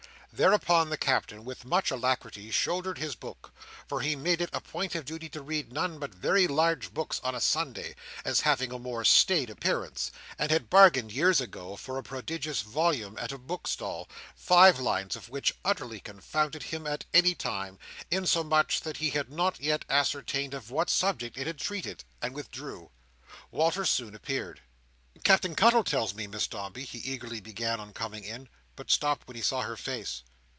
Thereupon the Captain, with much alacrity, shouldered his book—for he made it a point of duty to read none but very large books on a Sunday, as having a more staid appearance: and had bargained, years ago, for a prodigious volume at a book stall, five lines of which utterly confounded him at any time, insomuch that he had not yet ascertained of what subject it treated—and withdrew. Walter soon appeared. "Captain Cuttle tells me, Miss Dombey," he eagerly began on coming in—but stopped when he saw her face.